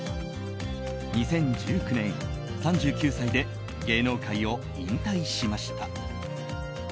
２０１９年、３９歳で芸能界を引退しました。